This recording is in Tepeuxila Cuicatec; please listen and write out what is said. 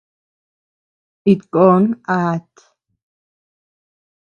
It koon at.